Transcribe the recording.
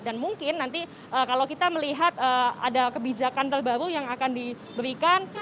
dan mungkin nanti kalau kita melihat ada kebijakan terbaru yang akan diberikan